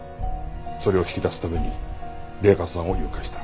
それを引き出すために麗華さんを誘拐した。